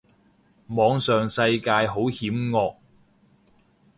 網上世界好險惡